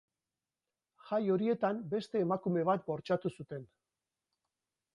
Jai horietan beste emakume bat bortxatu zuten.